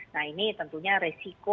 nah ini tentunya resiko